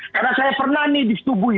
karena saya pernah nih disetubuhi